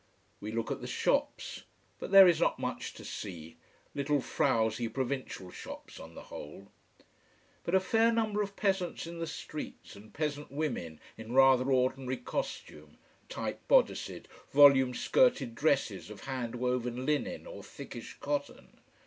We look at the shops. But there is not much to see. Little, frowsy provincial shops, on the whole. But a fair number of peasants in the streets, and peasant women in rather ordinary costume: tight bodiced, volume skirted dresses of hand woven linen or thickish cotton.